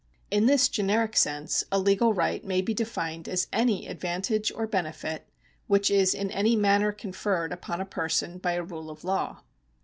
In this generic sense a legal right may be defined as any advantage or benefit which is in any manner conferred upon a person by a rule of law.